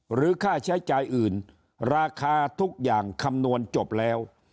หรือค่าใช้จ่ายอื่นราคาทุกอย่างคำนวณจบแล้ว